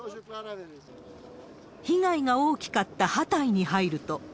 被害が大きかったハタイに入ると。